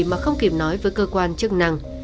mà không kịp nói với cơ quan điều tra xác minh